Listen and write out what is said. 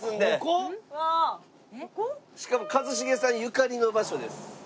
しかも一茂さんゆかりの場所です。